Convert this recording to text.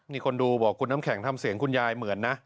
นี่คนดูบอกคุณน้ำแข็งทำเสียงคุณยายเหมือนนะ